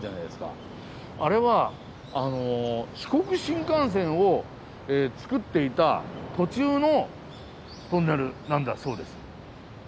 あれは四国新幹線を造っていた途中のトンネルなんだそうです。